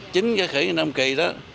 chính cái khỉ năm kỳ đó